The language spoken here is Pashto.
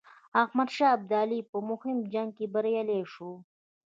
احمدشاه ابدالي په مهم جنګ کې بریالی شو.